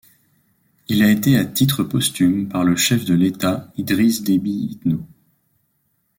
Il a été à titre posthume par le chef de l’Etat, Idriss Deby Itno.